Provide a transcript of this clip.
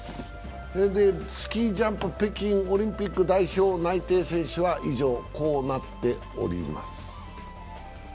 スキー・ジャンプ、北京オリンピック代表内定選手はこうなってます。